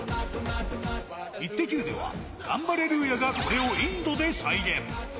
『イッテＱ！』ではガンバレルーヤが、これをインドで再現。